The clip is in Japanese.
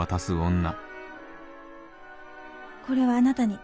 これはあなたに。